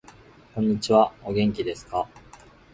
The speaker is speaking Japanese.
こんにちは。お元気ですか。